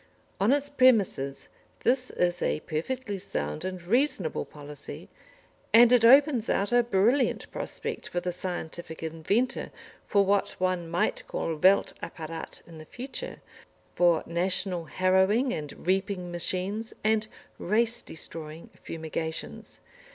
On its premises, this is a perfectly sound and reasonable policy, and it opens out a brilliant prospect for the scientific inventor for what one might call Welt Apparat in the future, for national harrowing and reaping machines, and race destroying fumigations.